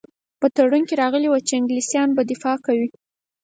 په تړون کې راغلي وو چې انګلیسیان به دفاع کوي.